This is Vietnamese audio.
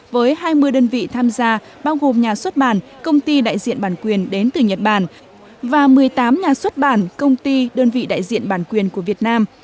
với hai mươi đơn vị tham gia bao gồm nhà xuất bản công ty đại diện bản quyền đến từ nhật bản và một mươi tám nhà xuất bản công ty đơn vị đại diện bản quyền của việt nam